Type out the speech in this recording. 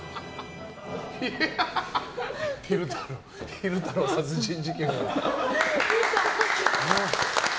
昼太郎殺人事件が。